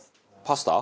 パスタ？